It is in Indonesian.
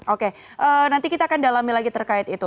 oke nanti kita akan dalami lagi terkait itu